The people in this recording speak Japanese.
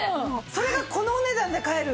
それがこのお値段で買える。